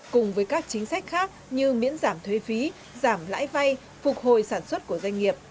cùng với các chính sách khác như miễn giảm thuế phí giảm lãi vay phục hồi sản xuất của doanh nghiệp